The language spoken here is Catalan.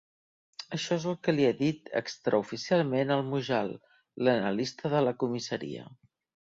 Això és el que li ha dit extraoficialment el Mujal, l'analista de la comissaria.